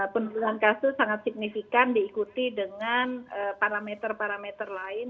penurunan kasus sangat signifikan diikuti dengan parameter parameter lain